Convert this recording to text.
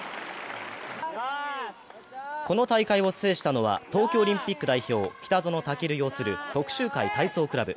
この大会を制したのは東京オリンピック代表、北園丈琉擁する徳洲会体操クラブ。